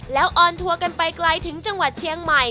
แล้วออนทัวร์กันไปไกลถึงจังหวัดเชียงใหม่